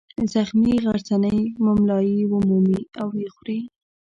زخمي غرڅنۍ مُملایي ومومي او ویې خوري.